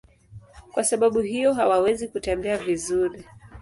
Kwa sababu hiyo hawawezi kutembea vizuri.